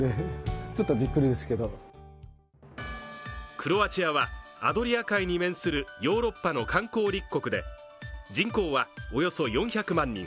クロアチアはアドリア海に面するヨーロッパの観光立国で人口はおよそ４００万人。